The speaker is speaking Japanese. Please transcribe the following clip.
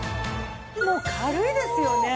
もう軽いですよね。